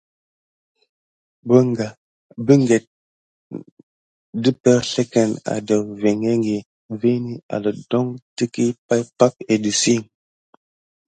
Binkete aɗevingə ɗe perslekidi vini aɗakudon tiki pay édisik.